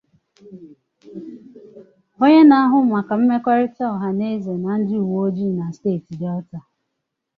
Onye na-ahụ maka mmekọrịta ọhaneze na ndị uweojii na steeti Delta